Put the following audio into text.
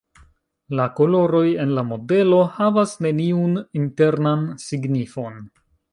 La koloroj en la modelo havas neniun internan signifon.